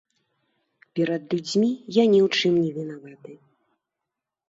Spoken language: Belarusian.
Перад людзьмі я ні ў чым не вінаваты.